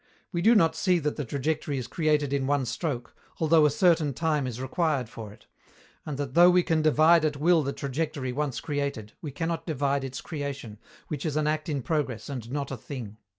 We do not see that the trajectory is created in one stroke, although a certain time is required for it; and that though we can divide at will the trajectory once created, we cannot divide its creation, which is an act in progress and not a thing.